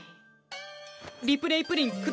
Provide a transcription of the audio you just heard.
リプレイプリン下さい！